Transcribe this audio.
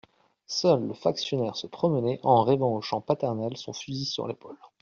Seul, le factionnaire se promenait en rêvant aux champs paternels, son fusil sur l'épaule.